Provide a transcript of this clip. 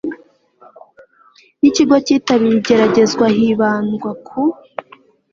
n ikigo cyitabiriye igerageza hibandwa ku